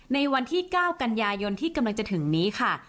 ในวันที่๙กันยายนที่กำลังจะถึงนี้ค่ะ